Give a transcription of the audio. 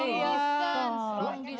menikah jarak jauh